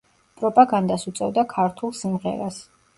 პროპაგანდას უწევდა ქართულ სიმღერას.